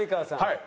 はい。